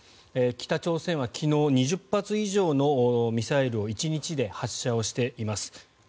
北朝鮮は昨日２０発以上のミサイルを１日で発射しています。